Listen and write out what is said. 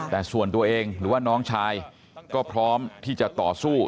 แต่ส่วนตัวเองหรือว่าน้องชายก็พร้อมที่จะต่อสู้